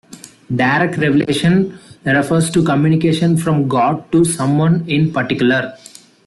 Direct revelation refers to communication from God to someone in particular.